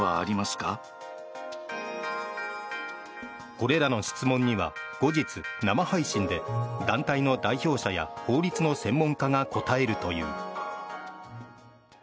これらの質問には後日、生配信で団体の代表者や法律の専門家が答えるという。